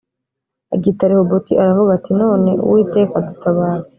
aryita rehoboti aravuga ati none uwiteka dutabare